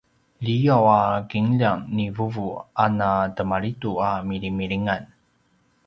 liyaw a kinljang ni vuvu a na temalidu a milimilingan